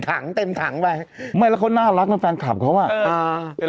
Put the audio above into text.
ถังเต็มถังไปไม่แล้วเขาน่ารักนะแฟนคลับเขาอ่ะอ่า